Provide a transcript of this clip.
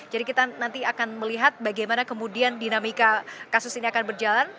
jadi kita nanti akan melihat bagaimana kemudian dinamika kasus ini akan berjalan